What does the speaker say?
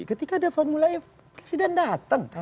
ketika ada formulanya presiden datang